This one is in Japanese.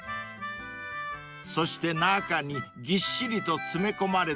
［そして中にぎっしりと詰め込まれたクリーム］